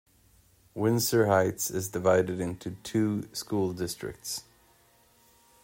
Windsor Heights is divided into two school districts.